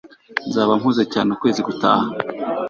nzaba mpuze cyane ukwezi gutaha